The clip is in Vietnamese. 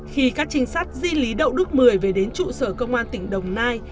khi các trinh sát di lý đậu đức mười về đến trụ sở công an tỉnh đồng nai